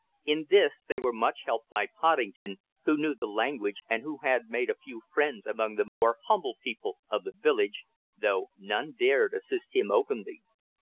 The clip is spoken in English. In this they were much helped by Poddington, who knew the language and who had made a few friends among the more humble people of the village, though none dared assist him openly.